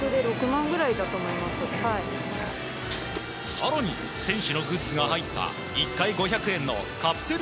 更に選手のグッズが入った１回５００円のカプセル